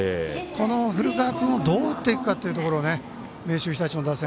この古川君をどう打っていくかというところ明秀日立の打線